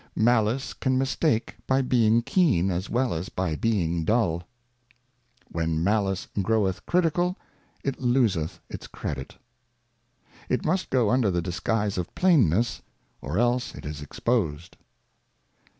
Malice can mistake by being keen as well as by being dull. When Malice groweth critical, it loseth its Credit. It must go under the Disguise of Plainness, or else it is exposed.